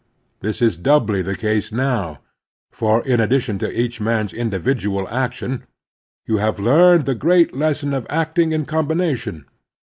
This is doubly the case now; for, in addition to each man's individual action, you have learned the great lesson of acting in com bination.